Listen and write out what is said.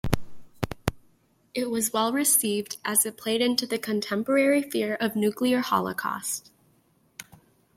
It was well received as it played into the contemporary fear of nuclear holocaust.